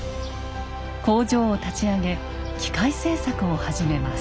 工場を立ち上げ機械製作を始めます。